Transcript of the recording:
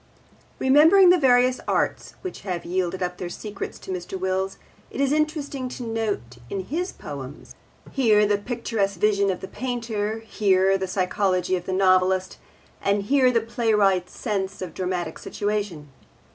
Remembering the various arts which have yielded up their secrets to Mr. Wills, it is interesting to note in his poems, here the picturesque vision of the painter, here the psychology of the novelist, and here the playwright's sense of dramatic situation.